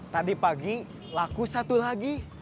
tadi pagi laku satu lagi